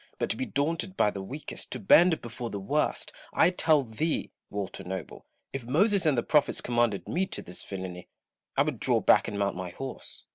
but to be daunted by the weakest, to bend before the worst — I tell thee, Walter Noble, if Moses and the Prophets commanded me to this villainy, I would draw back and mount my horse. Koble.